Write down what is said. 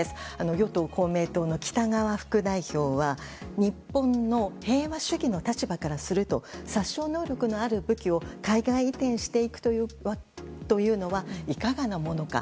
与党・公明党の北側副代表は日本の平和主義の立場からすると殺傷能力のある武器を海外移転していくというのはいかがなものか。